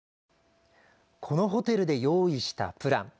このホテルで用意したプラン。